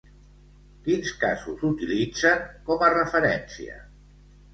Quins casos utilitzen com a referència?